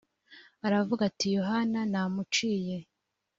aravuga ati yohana namuciye